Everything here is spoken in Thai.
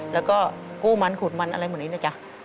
แล้วก็กู้มันขูดมันอะไรหมดนี้นะจ๊ะ